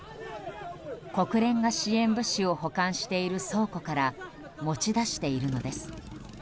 国連が支援物資を保管している倉庫から持ち出しているのです。